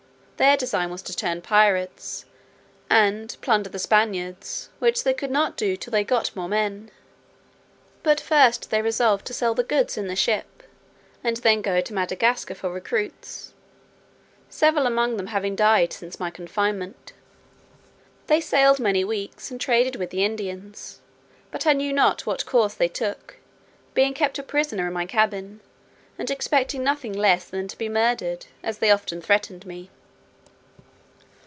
Their design was to turn pirates, and plunder the Spaniards, which they could not do till they got more men. But first they resolved to sell the goods in the ship, and then go to Madagascar for recruits, several among them having died since my confinement. They sailed many weeks, and traded with the Indians; but I knew not what course they took, being kept a close prisoner in my cabin, and expecting nothing less than to be murdered, as they often threatened me.